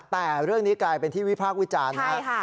แต่เรื่องนี้กลายเป็นที่วิพากษ์วิจารณ์นะครับ